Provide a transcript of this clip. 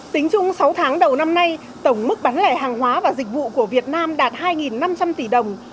tính chung sáu tháng đầu năm nay tổng mức bán lẻ hàng hóa và dịch vụ của việt nam đạt hai năm trăm linh tỷ đồng